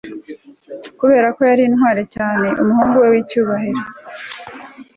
Kuberako yari intwari cyane umuhungu we wicyubahiro